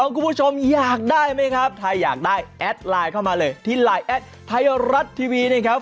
คุณผู้ชมอยากได้ไหมครับถ้าอยากได้แอดไลน์เข้ามาเลยที่ไลน์แอดไทยรัฐทีวีนี่ครับ